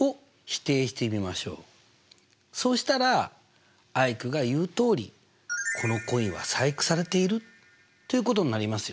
そうしたらアイクが言うとおり「このコインは細工されている」ということになりますよね。